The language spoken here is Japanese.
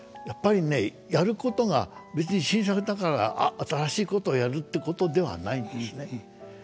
やっぱりねやることが別に新作だから新しいことをやるってことではないんですね。